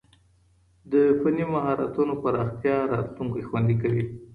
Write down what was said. د فني مهارتونو پراختيا راتلونکی خوندي کوي.